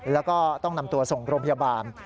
แล้วก็ต้องนำตัวส่งโรงพยาบาล